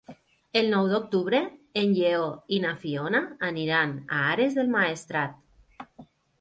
El nou d'octubre en Lleó i na Fiona aniran a Ares del Maestrat.